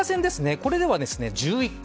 これでは１１回。